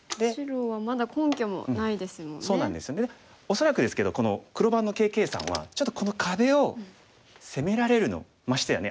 恐らくですけどこの黒番のＫ．Ｋさんはちょっとこの壁を攻められるのをましてやね